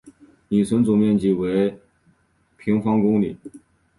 米村的总面积为平方公里。